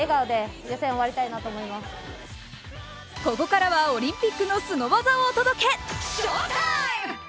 ここからはオリンピックのすご技をお届け。